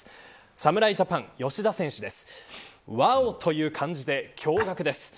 侍ジャパン、吉田選手です。